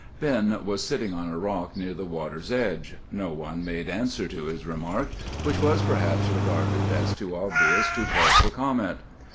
"Ben was sitting on a rock near the water's edge. No one made answer to his remark, which was perhaps regarded as too obvious to call for comment.